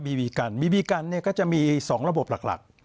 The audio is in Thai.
บีบีกันเนี่ยก็จะมีสองระบบหลัก